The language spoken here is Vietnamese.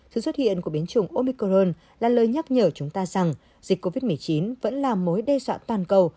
sự xuất hiện của biến chủng omicron là lời nhắc nhở chúng ta rằng dịch covid một mươi chín vẫn là mối đe dọa toàn cầu